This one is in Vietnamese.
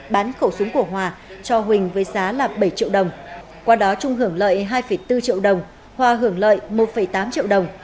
bán khẩu súng của hòa cho huỳnh với giá là bảy triệu đồng qua đó trung hưởng lợi hai bốn triệu đồng hòa hưởng lợi một tám triệu đồng